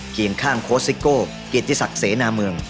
เขียนข้างโคชโก้เกรกษักเสนาเมือง